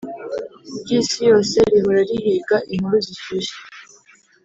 ry'isi yose rihora rihiga inkuru zishyushye.